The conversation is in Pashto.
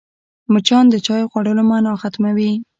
مچان د چايو خوړلو مانا ختموي